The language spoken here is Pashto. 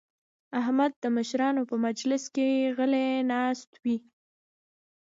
احمد د مشرانو په مجلس کې غلی ناست وي.